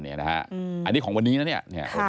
อันนี้ของวันนี้นะเนี่ย